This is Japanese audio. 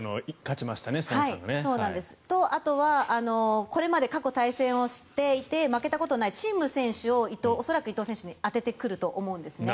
あとはこれまで過去対戦をしていて負けたことのないチン・ム選手を恐らく伊藤選手に当ててくると思うんですね。